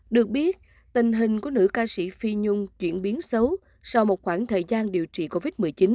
được biết tình hình của nữ ca sĩ phi nhung chuyển biến xấu sau một khoảng thời gian điều trị covid một mươi chín